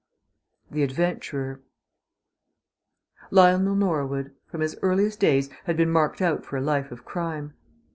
THE ADVENTURER Lionel Norwood, from his earliest days, had been marked out for a life of crime.